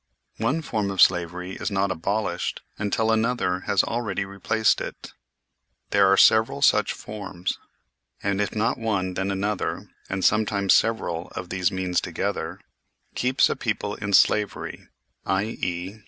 One form of slavery is not abolished until another has already replaced it. There are several such forms. And if not one then another (and sometimes several of these means together) keeps a people in slavery, i.e.